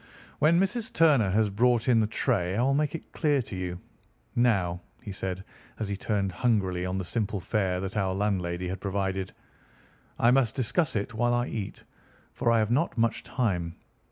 "When Mrs. Turner has brought in the tray I will make it clear to you. Now," he said as he turned hungrily on the simple fare that our landlady had provided, "I must discuss it while I eat, for I have not much time.